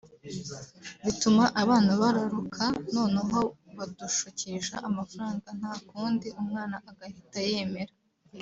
bituma abana bararuka noneho badushukisha amafaranga nta kundi umwana agahita yemera